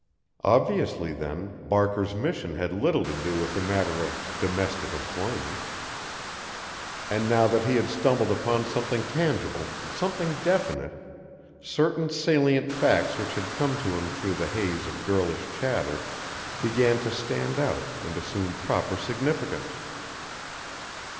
Obviously, then, Barker's mission had little to do with the matter of domestic employment. And now that he had stumbled upon something tangible something definite certain salient facts which had come to him through the haze of girlish chatter began to stand out and assume proper significance.